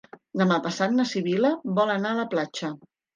Demà passat na Sibil·la vol anar a la platja.